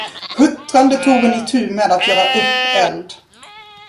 Huttrande tog hon itu med att göra upp eld.